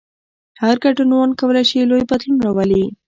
هر ګډونوال کولای شي لوی بدلون راولي.